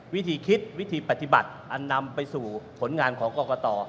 วิธีคิดวิธีปฏิบัติอันนำไปสู่ผลงานของกรกต